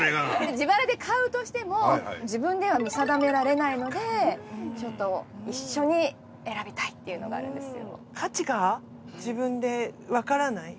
自腹で買うとしても自分では見定められないので一緒に選びたいっていうのがあるんですよ。